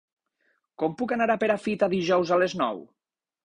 Com puc anar a Perafita dijous a les nou?